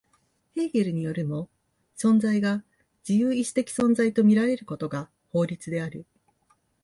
ヘーゲルによるも、存在が自由意志的存在と見られることが法律である。